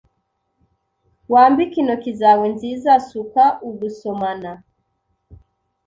Wambike intoki zawe nziza suka ugusomana